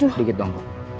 ini dikit dong